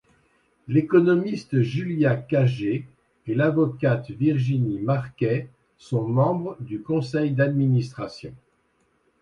L’économiste Julia Cagé et l’avocate Virginie Marquet sont membres du conseil d'administration.